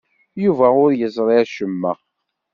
Yuba ur yeẓri acemma.